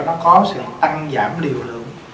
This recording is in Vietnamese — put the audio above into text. nó có sự tăng giảm liều lượng